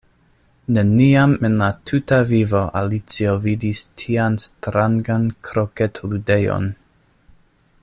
Neniam en la tuta vivo Alicio vidis tian strangan kroketludejon.